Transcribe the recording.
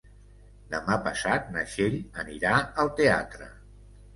Demà passat na Txell anirà al teatre.